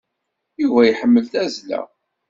Yuba iḥemmel tazla.